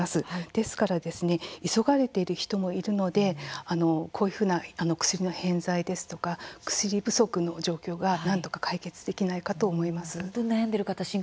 ですから急がれている人もいるので薬の偏在ですとか薬不足の状況がなんとか解決できないかと思います。